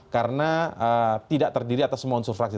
karena tidak terdiri atas semua unsur fraksi